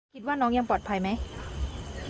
คิดว่าน้องยังปลอดภัยไหม